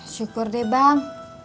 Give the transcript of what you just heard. syukur deh bang